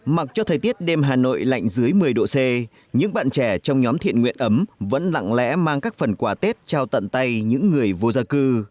mặc cho thời tiết đêm hà nội lạnh dưới một mươi độ c những bạn trẻ trong nhóm thiện nguyện ấm vẫn lặng lẽ mang các phần quà tết trao tận tay những người vô gia cư